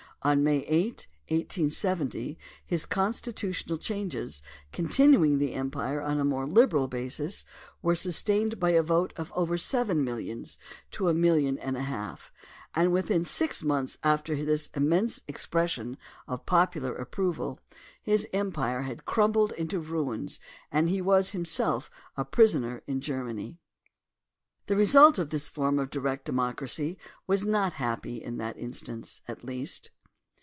On May 8, 1870, his constitutional changes, continuing the empire on a more liberal basis, were sustained by a vote of over seven millions to a million and a half, and within six months after this immense expression of popular approval his empire had crumbled into ruins and he was himself a prisoner in Germany. The result of this form of direct democracy was not happy in that instance, at least.